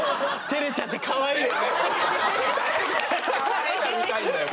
誰が見たいんだよ